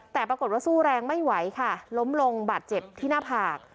แต่ปรากฏสู้แรงไม่ไหวล้มลงบาดเจ็บภาค